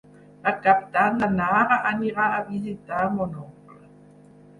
Per Cap d'Any na Nara anirà a visitar mon oncle.